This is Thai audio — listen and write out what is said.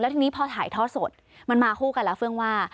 ทีนี้พอถ่ายทอดสดมันมาคู่กันแล้วเฟื่องว่า